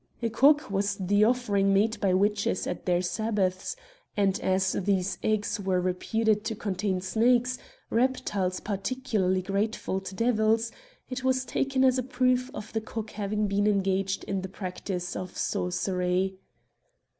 A cock was the offering 61 Curiosities of Olden Times made by witches at their sabbaths, and as these eggs were reputed to contain snakes — reptiles particularly grateful to devils — it was taken as a proof of the cock having been engaged in the practice of sorcery.